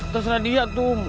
terus dia tuh